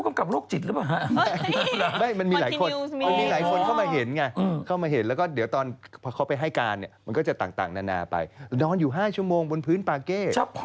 มีไม่มีไม่มีอะไรเข้ามาเห็นไงเข้ามาเห็นแล้วก็เดี๋ยวตอนเขาไปให้การมันก็จะต่างนานาไปนอนอยู่๕ชั่วโมงบนผืนปลาเก้